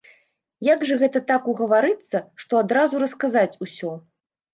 Як жа гэта так угаварыцца, што адразу расказаць усё!